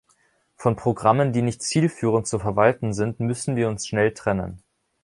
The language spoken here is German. Von Programmen, die nicht zielführend zu verwalten sind, müssen wir uns schnell trennen.